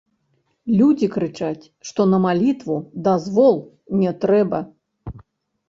Людзі крычаць, што на малітву дазвол не трэба.